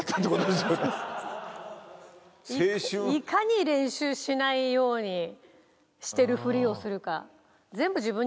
いかに練習しないようにしてるふりをするか。